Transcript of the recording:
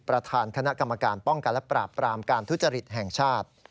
ประธานคณะกรรมการป้องกันและปราบปรามการทุจริตแห่งชาติ